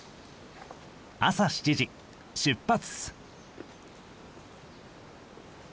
朝７時出発。